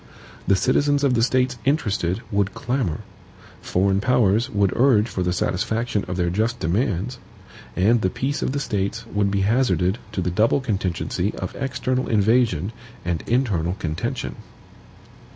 The citizens of the States interested would clamour; foreign powers would urge for the satisfaction of their just demands, and the peace of the States would be hazarded to the double contingency of external invasion and internal contention.